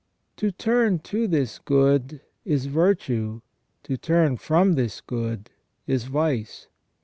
To turn to this good is virtue ; to turn from this good is vice.